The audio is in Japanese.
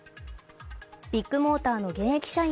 ビッグモーターの現役社員